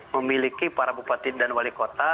memiliki para bupati dan wali kota